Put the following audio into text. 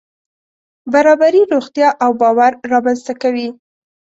برابري روغتیا او باور رامنځته کوي.